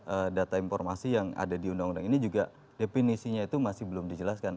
karena data informasi yang ada di undang undang ini juga definisinya itu masih belum dijelaskan